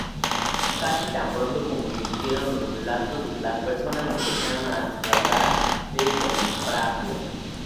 Casi tan pronto como surgieron los relatos, las personas empezaron a tratar de comprarlo.